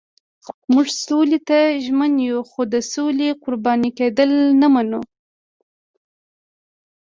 موږ سولې ته ژمن یو خو د سولې قربان کېدل نه منو.